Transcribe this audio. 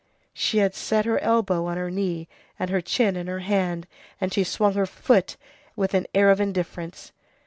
She had set her elbow on her knee and her chin in her hand, and she swung her foot with an air of indifference.